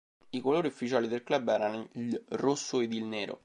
I colori ufficiali del club erano il rosso ed il nero.